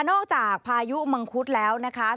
จากพายุมังคุดแล้วนะคะ